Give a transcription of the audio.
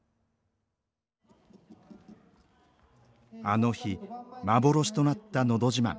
あの日幻となった「のど自慢」。